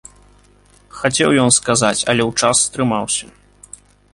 Хацеў ён сказаць, але ў час стрымаўся.